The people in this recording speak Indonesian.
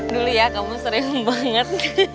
dulu ya kamu sering banget